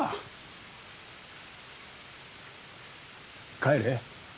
帰れ。